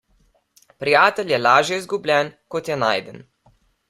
Prijatelj je lažje izgubljen, kot je najden.